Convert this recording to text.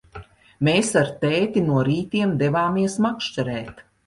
Mēs ar tēti no rītiem devāmies makšķerēt.